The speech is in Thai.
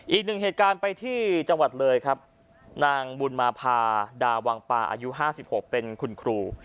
อีกหนึ่งเหตุการณ์ไปที่จังหวัดเลยครับนางบุญมาพาดาวังปาอายุ๕๖เป็นคุณครู